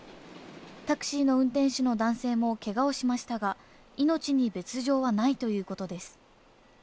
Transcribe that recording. タクシーの運転手の男性もけがをしましたが、命に別条はないということです。